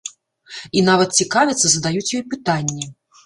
І нават цікавяцца, задаюць ёй пытанні.